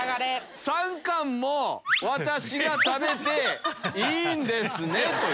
３貫も私が食べていいんですね」。